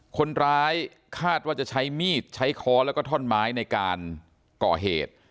คนร้ายคาดว่าจะใช้มีดใช้ค้อแล้วก็ท่อนไม้ในการก่อเหตุ